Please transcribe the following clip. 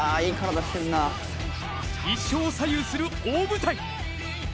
一生を左右する大舞台。